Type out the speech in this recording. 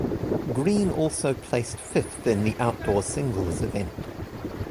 Greene also placed fifth in the outdoor singles event.